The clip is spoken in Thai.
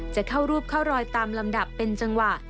จะเข้ารูปเข้ารอยตามลำดับเป็นจังหวะ